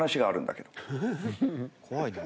［怖いな］